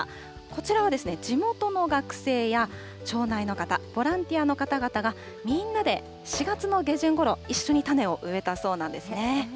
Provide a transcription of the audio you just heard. こちらは、地元の学生や町内の方、ボランティアの方々が、みんなで４月の下旬ごろ、一緒に種を植えたそうなんですね。